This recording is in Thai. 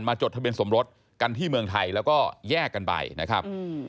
จดทะเบียนสมรสกันที่เมืองไทยแล้วก็แยกกันไปนะครับ